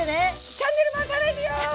チャンネル回さないでよ！